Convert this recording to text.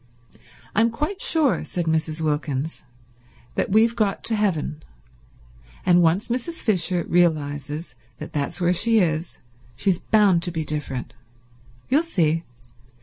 "I'm quite sure," said Mrs. Wilkins, "that we've got to heaven, and once Mrs. Fisher realizes that that's where she is, she's bound to be different. You'll see.